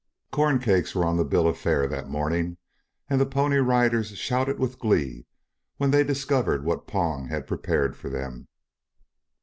Corn cakes were on the bill of fare that morning and the Pony Riders shouted with glee when they discovered what Pong had prepared for them.